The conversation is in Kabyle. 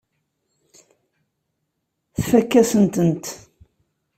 Tfakk-asent-tent.